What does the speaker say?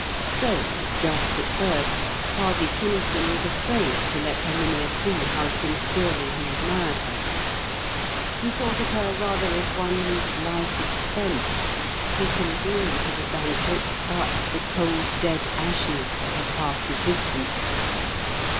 So, just at first, Harvey Kynaston was afraid to let Herminia see how sincerely he admired her. He thought of her rather as one whose life is spent, who can bring to the banquet but the cold dead ashes of a past existence.